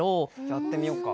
やってみようか。